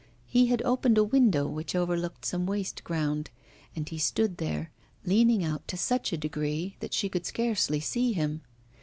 He had opened a window which overlooked some waste ground, and he stood there, leaning out to such a degree that she could scarcely see him.